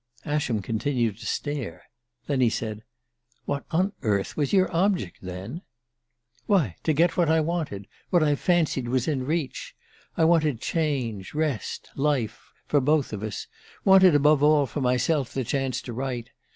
Ascham continued to stare; then he said: "What on earth was your object, then?" "Why, to get what I wanted what I fancied was in reach! I wanted change, rest, life, for both of us wanted, above all, for myself, the chance to write!